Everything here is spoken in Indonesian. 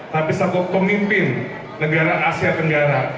tapi selaku pemimpin negara asia tenggara